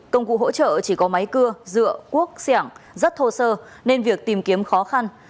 công cụ hỗ trợ chỉ có máy cưa dựa cuốc sẻng rất thô sơ nên việc tìm kiếm khó khăn